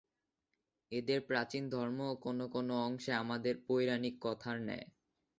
এদের প্রাচীন ধর্মও কোন কোন অংশে আমাদের পৌরাণিক কথার ন্যায়।